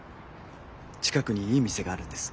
近くにいい店があるんです。